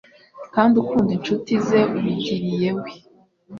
kandi ukunda inshuti ze ubigiriye we,